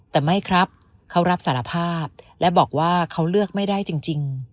แต่ไม่ครับเขารับสารภาพและบอกว่าเขาเลือกไม่ได้จริง